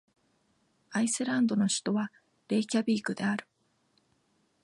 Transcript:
アイスランドの首都はレイキャヴィークである